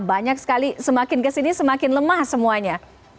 banyak sekali semakin kesini semakin lemah semuanya